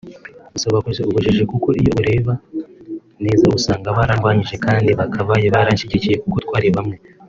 gusa bakoze ubujiji kuko iyo ureba neza usanga barandwanyije kandi bakabaye banshyigikira kuko twari bamwe